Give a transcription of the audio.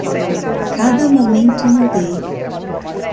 Cada momento mudei.